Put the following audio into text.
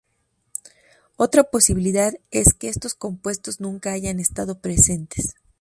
Otra posibilidad es que estos compuestos nunca hayan estado presentes.